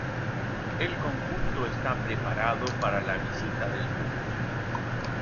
El conjunto está preparado para la visita del público.